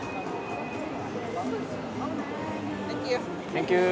サンキュー。